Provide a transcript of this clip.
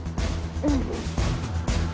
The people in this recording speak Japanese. うん。